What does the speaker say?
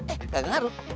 eh kagak gak harus